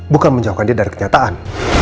bukan menjauhkan dia dari kenyataan